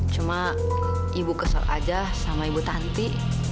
cuma ibu kesel aja sama ibu tanti